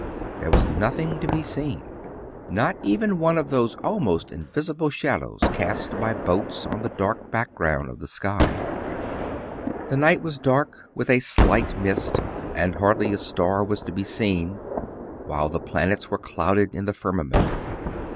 There was nothing to be seen ; not even one of those almost invisible shadows cast by boats o,n the dark background of the sky. The night was dark, with a slight mist ; and hardly a star was to be seen, while the planets were clouded in the firmament.